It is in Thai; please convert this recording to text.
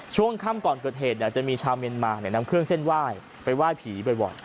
ช่วงค่ำก่อนเกิดเหตุจะมีชาวเมียนมานำเครื่องเส้นไหว้ไปไหว้ผีบ่อย